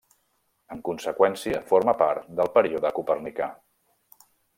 En conseqüència, forma part del Període Copernicà.